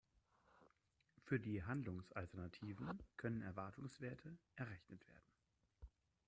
Für die Handlungsalternativen können Erwartungswerte errechnet werden.